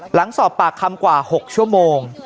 หลังสอบปากคำกว่า๖ชั่วโมง